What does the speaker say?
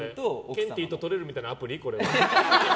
ケンティーと撮れるみたいなアプリ？